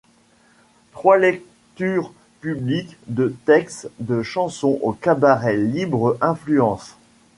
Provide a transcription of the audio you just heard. Trois lectures publiques de textes de chansons au Cabaret Libre Influence.